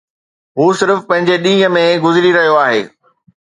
هو صرف پنهنجي ڏينهن ۾ گذري رهيو آهي